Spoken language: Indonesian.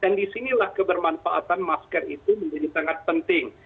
dan di sinilah kebermanfaatan masker itu menjadi sangat penting